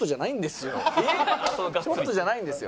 ちょっとじゃないんですよ。